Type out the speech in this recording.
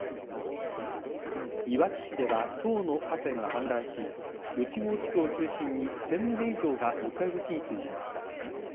いわき市では１０の河川が氾濫し内郷地区を中心に１０００棟以上が床上浸水しました。